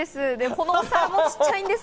このお皿も小っちゃいんです。